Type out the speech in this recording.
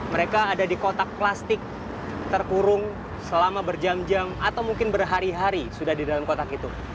mereka ada di kotak plastik terkurung selama berjam jam atau mungkin berhari hari sudah di dalam kotak itu